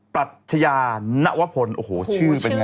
ปัตชญานวะพลชื่อยาวมาก